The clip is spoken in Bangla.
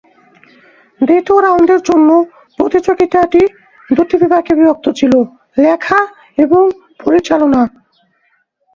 দ্বিতীয় রাউন্ডের জন্য, প্রতিযোগিতাটি দুটি বিভাগে বিভক্ত ছিল: লেখা এবং পরিচালনা।